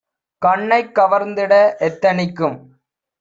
கண்ணைக் கவர்ந்திட எத்தனிக்கும்!